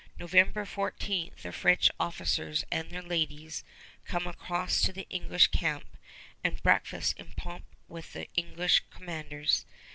November 14 the French officers and their ladies come across to the English camp and breakfast in pomp with the English commanders.